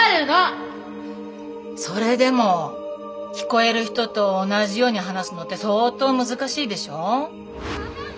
それでも聞こえる人と同じように話すのって相当難しいでしょ。